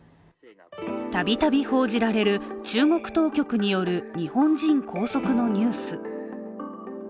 度々報じられる、中国当局による日本人拘束のニュース。